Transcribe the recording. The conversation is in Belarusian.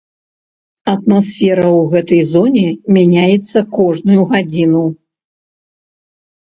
Атмасфера ў гэтай зоне мяняецца кожную гадзіну.